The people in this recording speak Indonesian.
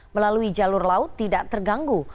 melalui jalur laut tidak terganggu